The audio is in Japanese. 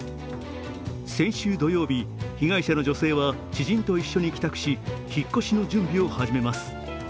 先週土曜日、被害者の女性は知人と一緒に帰宅し引っ越しの準備を始めます。